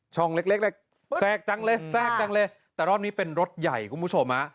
ช่องเล็กแทรกจังเลยแต่รอบนี้เป็นรถใหญ่คุณผู้ชม